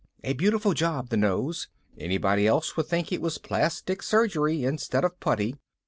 A beautiful job, the nose. Anybody else would think it was plastic surgery instead of putty.